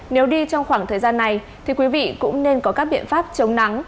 nếu đi trong khoảng thời gian này thì quý vị cũng nên có các biện pháp chống nắng